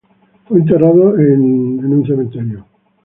Fue enterrado en la Iglesia de St.